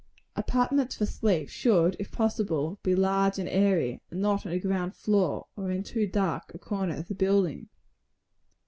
Apartments for sleep should, if possible, be large and airy and not on a ground floor, or in too dark a corner of the building.